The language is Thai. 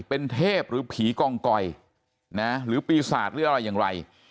เป็นเทพหรือผีกองกอยนะหรือปีศาจหรืออะไรอย่างไร